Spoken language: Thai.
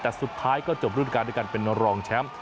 แต่สุดท้ายก็จบรุ่นการด้วยการเป็นรองแชมป์